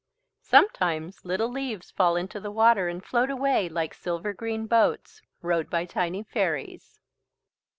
Sometimes little leaves fall into the water and float away like silver green boats, rowed by tiny fairies.